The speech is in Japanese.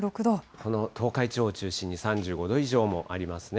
この東海地方を中心に３５度以上もありますね。